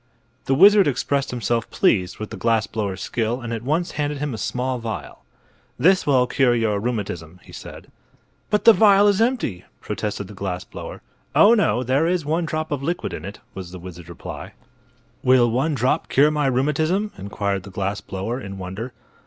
The wizard expressed himself pleased with the glass blower's skill and at once handed him a small vial. "This will cure your rheumatism," he said. "But the vial is empty!" protested the glass blower. "Oh, no; there is one drop of liquid in it," was the wizard's reply. "Will one drop cure my rheumatism?" inquired the glass blower, in wonder.